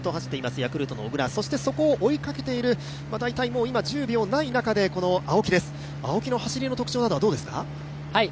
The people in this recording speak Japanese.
ヤクルトの小椋、そしてそこを追いかけている、１０秒ない中でのこの青木です、青木の走りの特徴はどうですか？